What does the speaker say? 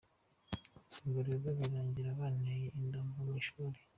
Ubwo rero birangira banteye inda mva mu ishuri.